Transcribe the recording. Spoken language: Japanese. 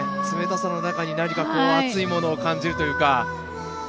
冷たさの中に熱いものを感じるというか。